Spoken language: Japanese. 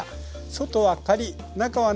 外はカリッ中はね